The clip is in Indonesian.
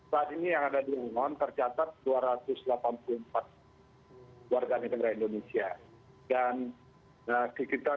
saat ini yang ada di hongon tercatat dua ratus delapan puluh empat warga negara indonesia